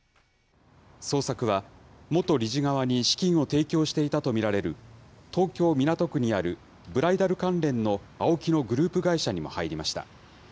捜索は、元理事側に資金を提供していたと見られる、東京・港区にあるブライダル関連のＡＯＫＩのグループ会社にも入りました。